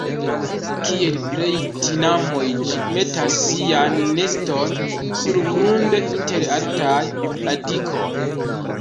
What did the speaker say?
Kiel plej tinamoj ĝi metas sian neston surgrunde inter altaj radikoj.